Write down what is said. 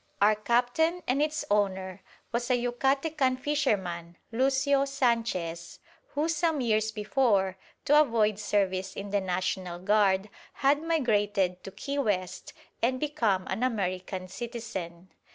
Our captain and its owner was a Yucatecan fisherman, Lucio Sanchez, who some years before, to avoid service in the National Guard, had migrated to Key West and become an American citizen.